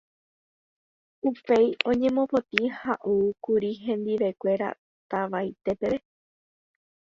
Upéi oñepomoĩ ha oúkuri hendivekuéra tavaite peve.